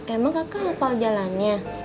emang kakak hafal jalannya